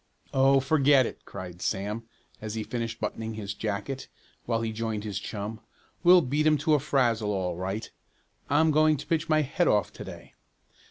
"Oh, forget it!" cried Sam, as he finished buttoning his jacket while he joined his chum. "We'll beat 'em to a frazzle all right. I'm going to pitch my head off to day."